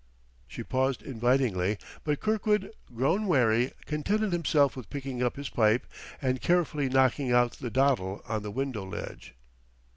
She paused invitingly, but Kirkwood, grown wary, contented himself with picking up his pipe and carefully knocking out the dottle on the window ledge.